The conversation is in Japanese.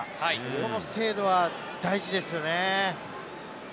この精度は大事ですよね。